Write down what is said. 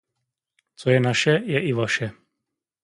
Co je naše je i vaše.